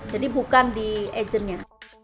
jadi bukan di agentnya